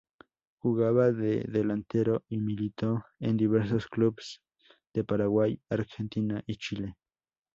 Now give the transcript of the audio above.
Jugaba de delantero y militó en diversos clubes de Paraguay, Argentina y Chile.